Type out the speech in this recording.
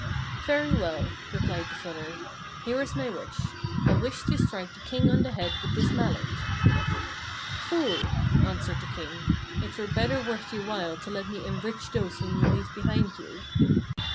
'Very well,' replied the fuller, 'here is my wish: I wish to strike the king on the head with this mallet.' ' Fool !' answered the king, 'it were better worth your while to let me enrich those whom you leave behind you.'